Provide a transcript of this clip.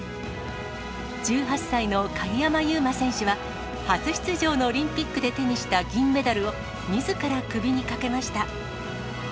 １８歳の鍵山優真選手は、初出場のオリンピックで手にした銀メダルをみずから首にかけました。